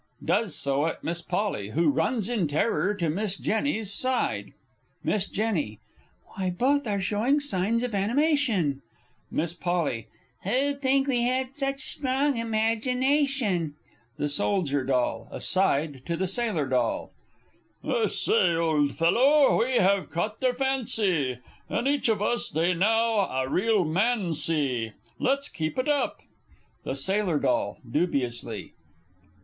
[Does so at Miss P., who runs in terror to Miss J.'s side. Miss J. Why, both are showing signs of animation. Miss P. Who'd think we had such strong imagination! The Soldier Doll (aside to the Sailor D.). I say, old fellow, we have caught their fancy In each of us they now a real man see! Let's keep it up! The Sailor D. (_dubiously.